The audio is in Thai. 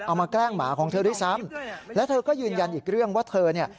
มาแกล้งหมาของเธอด้วยซ้ำแล้วเธอก็ยืนยันอีกเรื่องว่าเธอเนี่ย